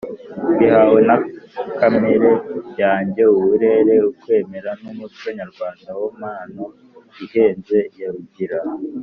mbihawe na kamere yanjye, uburere, ukwemera, n'umuco nyarwanda wo mpano ihenze ya Rugira.